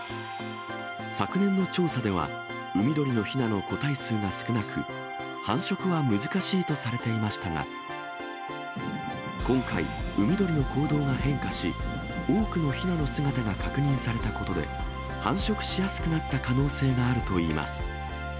昨年の調査では、海鳥のひなの個体数が少なく、繁殖は難しいとされていましたが、今回、海鳥の行動が変化し、多くのひなの姿が確認されたことで、繁殖しやすくなった可能性があるといいます。